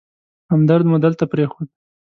همدرد مو دلته پرېښود.